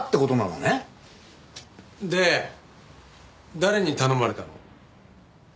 で誰に頼まれたの？